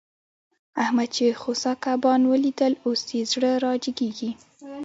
احمد چې خوسا کبان وليدل؛ اوس يې زړه را جيګېږي.